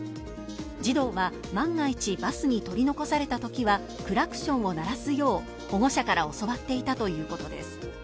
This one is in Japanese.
児童は万が一、バスに取り残されたときはクラクションを鳴らすよう保護者から教わっていたということです。